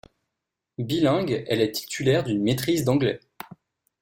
Bilingue, elle est titulaire d'une maîtrise d'anglais.